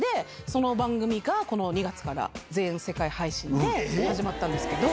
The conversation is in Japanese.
その番組が、この２月から全世界配信で始まったんですけど。